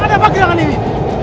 ada yang menyerang ini